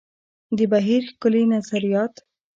د بهیر ښکلي نظریات.